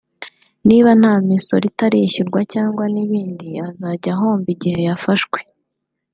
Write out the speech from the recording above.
niba nta misoro itarishyurwa cyangwa n’ibindi azajya ahomba igihe yafashwe